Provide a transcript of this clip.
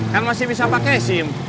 kan masih bisa pakai sim